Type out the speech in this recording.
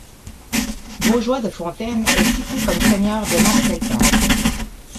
Baugeois de Fontaines est cité comme seigneur de Marcelcave.